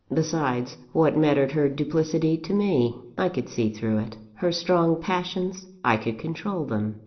Besides, what mattered her duplicity to me? I could see through it. Her strong passions? I could control them.